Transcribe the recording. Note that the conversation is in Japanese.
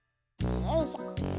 よいしょ。